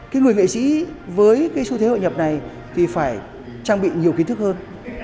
chỉ với cái xu thế hội nhập này thì phải trang bị nhiều kiến thức hơn